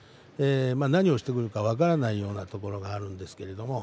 何をしてくるか分からないようなところがあります。